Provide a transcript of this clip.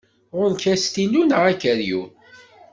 Ɣur-k astilu neɣ akeryun?